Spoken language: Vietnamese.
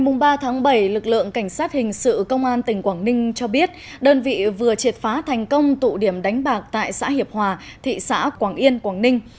ngày ba bảy lực lượng cảnh sát hình sự công an tỉnh quảng ninh cho biết đơn vị vừa triệt phá thành công tụ điểm đánh bạc tại xã hiệp hòa thị xã quảng yên quảng ninh